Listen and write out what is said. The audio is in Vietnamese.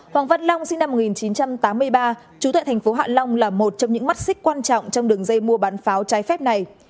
hoàng văn long sinh năm một nghìn chín trăm tám mươi ba trú tại thành phố hạ long là một trong những mắt xích quan trọng trong đường dây mua bán pháo trái phép này